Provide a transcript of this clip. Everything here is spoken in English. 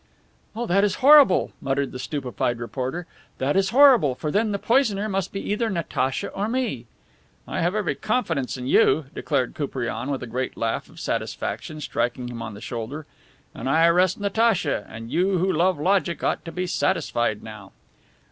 "Oh, that is horrible," muttered the stupefied reporter; "that is horrible, for then the poisoner must be either Natacha or me." "I have every confidence in you," declared Koupriane with a great laugh of satisfaction, striking him on the shoulder. "And I arrest Natacha, and you who love logic ought to be satisfied now."